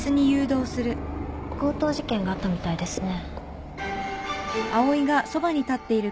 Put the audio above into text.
強盗事件があったみたいですね。